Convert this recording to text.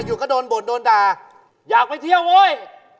อยากไปเที่ยวโอ้ย